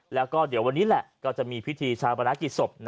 และก็เดี๋ยววันนี้แหละก็จะมีพิธีชาวบรากฤษศพ